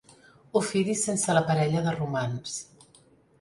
Ofidi sense la parella de romans.